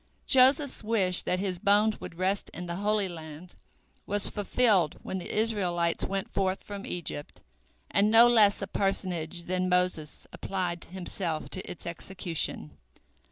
Joseph's wish, that his bones should rest in the Holy Land, was fulfilled when the Israelites went forth from Egypt, and no less a personage than Moses applied himself to its execution.